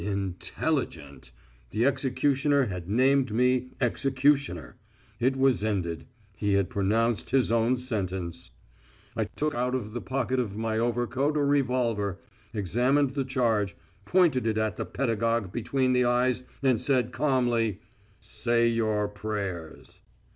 Intel li gent! The executioner had named me executioner! It was ended.... He had pronounced his own sentence. I took out of the pocket of my overcoat a revolver, examined the charge, pointed it at the pedagogue between the eyes, and said calmly: "Say your prayers."